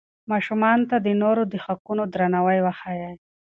ماشومانو ته د نورو د حقونو درناوی وښایئ.